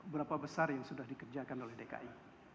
berapa besar yang sudah dikerjakan oleh dki